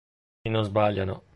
E non sbagliano.